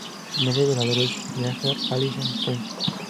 Su nombre verdadero es "Heather Allison Frith".